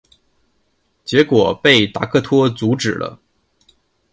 结果被达克托阻止了。